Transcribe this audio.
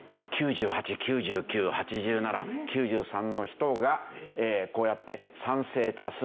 ９８９９８７９３の人がこうやって賛成多数。